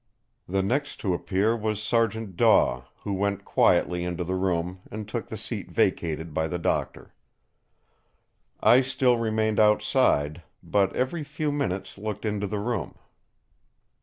The next to appear was Sergeant Daw, who went quietly into the room and took the seat vacated by the Doctor. I still remained outside; but every few minutes looked into the room.